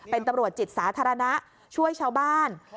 เป็นตำรวจจิตสาธารณะช่วยชาวบ้าน